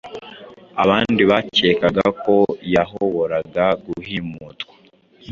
Abandi bakekaga ko yahoboraga guhimutwa